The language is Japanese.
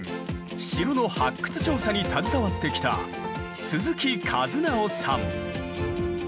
城の発掘調査に携わってきた鈴木一有さん。